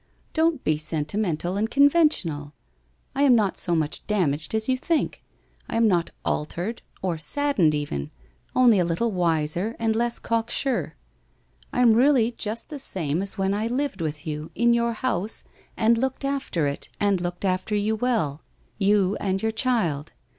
' Don't be sentimental and conventional. I am not so much damaged as you think. I am not altered, or saddened even, only a little wiser and less cocksure. I am really just the same as when I lived with you, in your house, and looked after it, and looked after you well. You and your child.